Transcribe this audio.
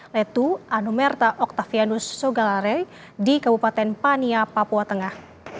letu anumerta oktavianus sogalare di kabupaten pania papua tengah